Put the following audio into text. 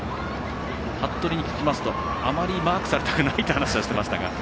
服部に聞きますとあまりマークされたくないと言っていました。